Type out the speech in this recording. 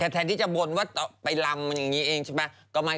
แทนที่จะบนว่าไปลำอย่างนี้เองใช่ไหม